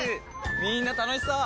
みんな楽しそう！